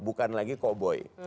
bukan lagi koboi